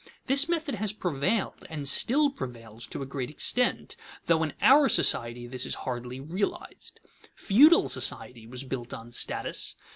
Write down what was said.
This method has prevailed and still prevails to a great extent, though in our society this is hardly realized. Feudal society was built on status.